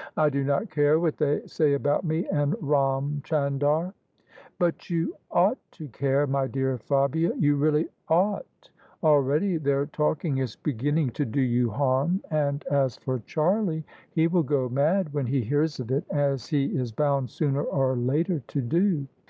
" I do not care what they say about me and Ram Chandar." "But you ought to care, my dear Fabia: you really ought 1 Already their talking is beginning to do you harm: [ 244 ] OF ISABEL CARNABY and as for Charlie, he will go mad when he hears of It — as he is bound sooner or later to do.